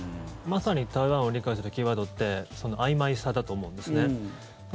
まさに台湾を理解するキーワードってあいまいさだと思うんですね。